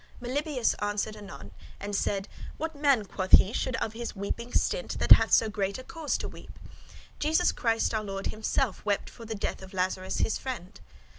'" Melibœus answered anon and said: "What man," quoth he, "should of his weeping stint, that hath so great a cause to weep? Jesus Christ, our Lord, himself wept for the death of Lazarus his friend."